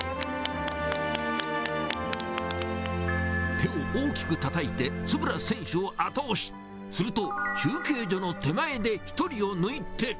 手を大きくたたいて、円選手を後押し、すると、中継所の手前で１人を抜いて。